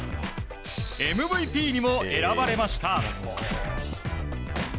ＭＶＰにも選ばれました。